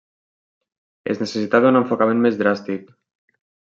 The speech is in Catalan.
Es necessitava un enfocament més dràstic.